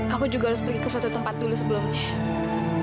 aku juga harus pergi ke suatu tempat dulu sebelumnya